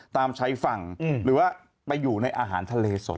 ตามชายฝั่งหรือว่าไปอยู่ในอาหารทะเลสด